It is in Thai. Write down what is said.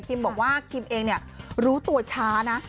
บอกว่าคิมเองรู้ตัวช้านะ